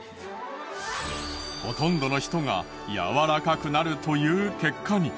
ほとんどの人が柔らかくなるという結果に。